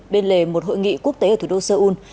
bên lề một hội nghị quốc tế ở thủ đô seoul